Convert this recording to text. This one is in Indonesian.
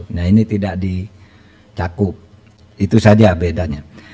nah ini tidak dicakup itu saja bedanya